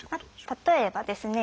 例えばですね